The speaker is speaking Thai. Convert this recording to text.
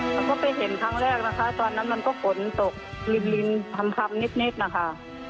เขาก็ไปเห็นครั้งแรกนะคะตอนนั้นมันก็ฝนตกริมคำนิดนะคะ